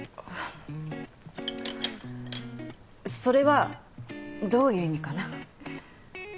それはどういう意味かな？